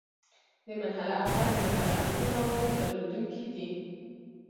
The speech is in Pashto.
د منحله او غیرمنحله عضوي موادو درلودونکی دی.